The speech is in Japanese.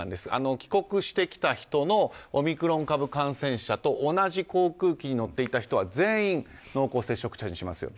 帰国してきた人のオミクロン株感染者と同じ航空機に乗っていた人は全員濃厚接触者にしますよと。